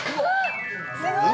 ◆すごーい。